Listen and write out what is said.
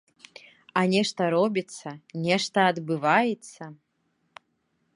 А нешта робіцца, нешта адбываецца.